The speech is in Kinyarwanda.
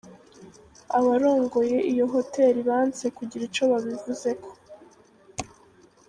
Abarongoye iyo hoteli banse kugira ico babivuzeko.